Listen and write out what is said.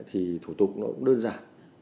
thì thủ tục nó cũng đơn giản